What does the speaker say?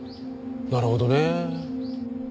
なるほどねえ。